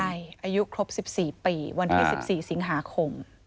ใช่อายุครบ๑๔ปีวันที่๑๔สิงหาคม